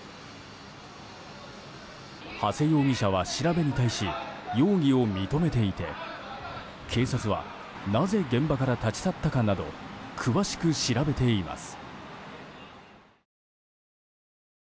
長谷容疑者は調べに対し容疑を認めていて警察はなぜ現場から立ち去ったかなど詳しく調べています。